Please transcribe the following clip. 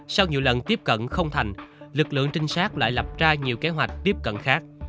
sau nhiều lần tiếp cận không thành lực lượng trinh sát lại lập ra nhiều kế hoạch tiếp cận khác